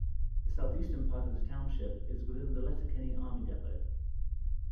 The southeastern part of the township is within the Letterkenny Army Depot.